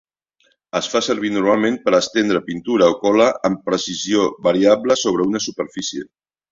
Es fa servir normalment per estendre pintura o cola amb precisió variable sobre una superfície.